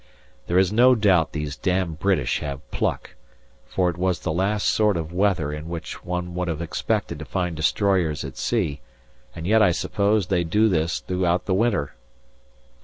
There is no doubt these damned British have pluck, for it was the last sort of weather in which one would have expected to find destroyers at sea, and yet I suppose they do this throughout the winter.